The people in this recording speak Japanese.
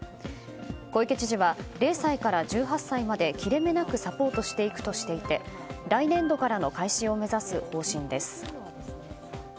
小池知事は０歳から１８歳まで切れ目なくサポートしていくとしていて来年度からの開始を目指す方針です。